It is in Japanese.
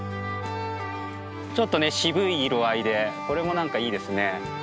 ちょっとね渋い色合いでこれも何かいいですね。